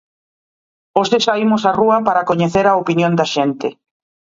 Hoxe saímos á rúa para coñecer a opinión da xente.